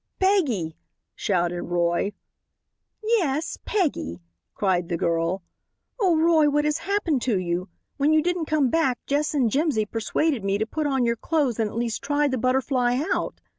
"Peggy!" shouted Roy. "Yes, Peggy," cried the girl. "Oh, Roy, what has happened to you? When you didn't come back Jess and Jimsy persuaded me to put on your clothes and at least try the Butterfly out.